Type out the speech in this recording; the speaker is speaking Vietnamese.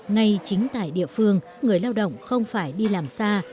ngay chính tại địa phương người lao động không phải đi làm xa